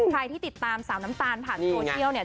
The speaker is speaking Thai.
ใครที่ติดตามสาวน้ำตาลผ่านโซเชียลเนี่ย